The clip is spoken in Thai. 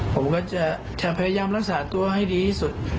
ผมก็จะพยายามรักษาตัวให้ดีที่สุด